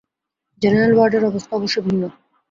General ওয়ার্ডের অবস্থা অবশ্য ভিন্ন।